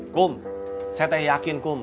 kum saya teh yakin kum